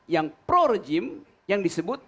yang pro rejim yang disebut